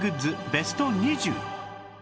ベスト２０